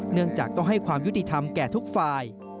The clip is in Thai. เนื่องจากต้องให้ความยุติธรรมแก่ทุกฝ่าย